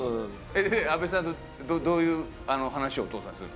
阿部さんとどういう話をお父さんにするの？